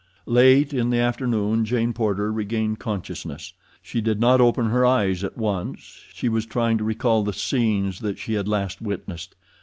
Late in the afternoon Jane Porter regained consciousness. She did not open her eyes at once—she was trying to recall the scenes that she had last witnessed.